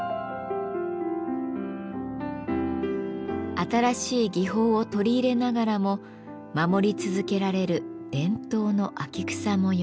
新しい技法を取り入れながらも守り続けられる伝統の秋草模様。